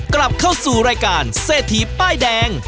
กลับเข้าสู่รายการเศรษฐีป้ายแดง